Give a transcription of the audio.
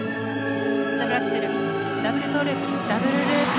ダブルアクセルダブルトウループダブルループ。